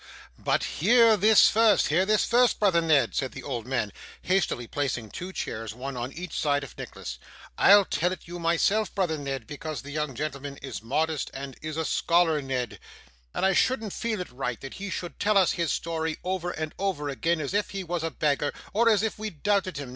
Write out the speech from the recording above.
'But hear this first hear this first, brother Ned,' said the old man, hastily, placing two chairs, one on each side of Nicholas: 'I'll tell it you myself, brother Ned, because the young gentleman is modest, and is a scholar, Ned, and I shouldn't feel it right that he should tell us his story over and over again as if he was a beggar, or as if we doubted him.